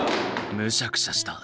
むしゃくしゃした。